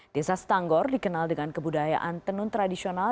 desa stanggor dikenal dengan kebudayaan tenun tradisional